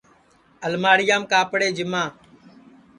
الماڑیام کاپڑے جیما